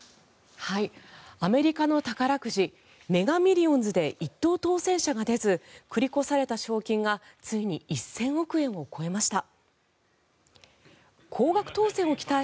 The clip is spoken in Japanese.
アメリカの宝くじメガ・ミリオンズで１等当選者が出ず繰り越された賞金がついに１０００億円を超えました。